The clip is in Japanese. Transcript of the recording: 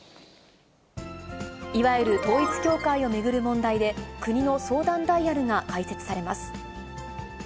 いわゆる統一教会を巡る問題で、国の相談ダイヤルが開設されます。